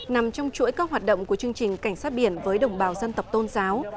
nằm trong chuỗi các hoạt động của chương trình cảnh sát biển với đồng bào dân tộc tôn giáo